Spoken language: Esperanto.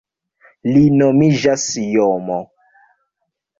Li nomiĝas JoMo.